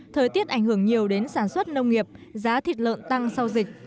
thời tiết ảnh hưởng nhiều đến sản xuất nông nghiệp giá thịt lợn tăng sau dịch